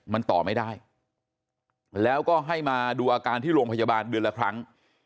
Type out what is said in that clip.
มันต่อไม่ได้แล้วก็ให้มาดูอาการที่โรงพยาบาลเดือนละครั้ง